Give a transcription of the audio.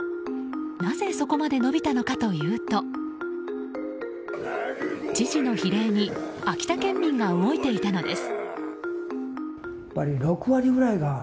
なぜそこまで伸びたのかというと知事の非礼に秋田県民が動いていたのです。